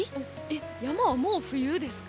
山は、もう冬ですか？